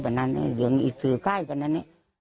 ปัญหาเรื่องอิสุไข้ตรงนั้น